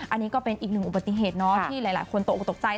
อันนี้ก็เป็นอีกหนึ่งอุบัติเหตุเนาะที่หลายคนตกออกตกใจ